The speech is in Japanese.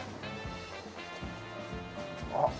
あっ